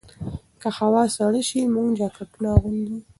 که هوا سړه شي، موږ جاکټونه اغوندو.